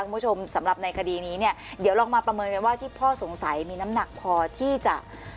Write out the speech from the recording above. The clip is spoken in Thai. สำหรับในคดีนี้เนี่ยเดี๋ยวลองมาประเมินกันว่าที่พ่อสงสัยมีน้ำหนักพอที่จะ